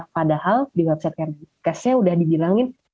padahal di website kemenkesnya udah dibilangin